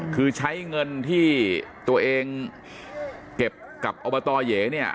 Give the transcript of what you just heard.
คือใช้เงินที่ตัวเองเก็บกับอบตเหยเนี่ย